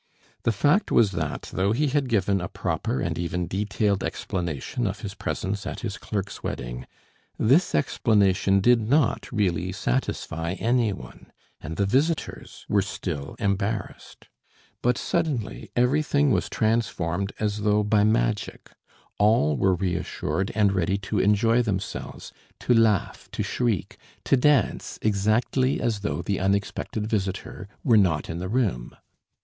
The fact was that though he had given a proper and even detailed explanation of his presence at his clerk's wedding, this explanation did not really satisfy any one, and the visitors were still embarrassed. But suddenly everything was transformed as though by magic, all were reassured and ready to enjoy themselves, to laugh, to shriek; to dance, exactly as though the unexpected visitor were not in the room.